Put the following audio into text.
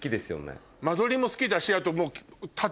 間取りも好きだし。